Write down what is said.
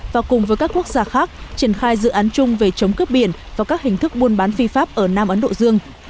và cùng với các quốc gia khác triển khai dự án chung về chống cướp biển và các hình thức buôn bán phi pháp ở nam ấn độ dương